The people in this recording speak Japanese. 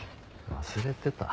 忘れてた？